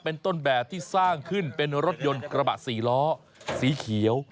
เป็นต้นแบบที่สร้างขึ้นเป็นรถยนต์กระบะสี่ล้อสีเขียว